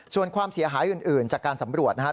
ส่วนความเสียหายอื่นจากการสำรวจนะครับ